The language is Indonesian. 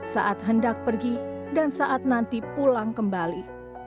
saat hendak pergi dan saat nanti pulang kembali